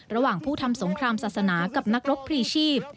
ระหว่างผู้ทำสงครามศาสนากับนักรบพรีชีพ